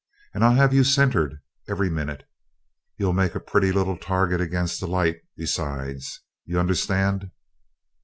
And I'll have you centered every minute. You'll make a pretty little target against the light, besides. You understand?